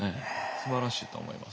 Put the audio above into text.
すばらしいと思います。